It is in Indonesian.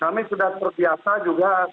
kami sudah terbiasa juga